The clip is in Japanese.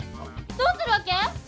どうするわけ？